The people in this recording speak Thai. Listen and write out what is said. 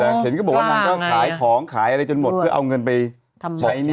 แต่เห็นก็บอกว่านางก็ขายของขายอะไรจนหมดเพื่อเอาเงินไปใช้หนี้